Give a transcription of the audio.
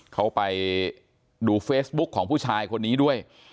เขาไปดูเฟซบุ๊กของผู้ชายคนนี้ด้วย